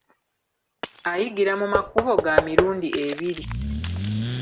Ayigira mu makubo ga mirundi ebiri.